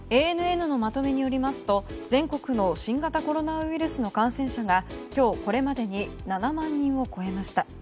ＡＮＮのまとめによりますと全国の新型コロナウイルスの感染者が今日これまでに７万人を超えました。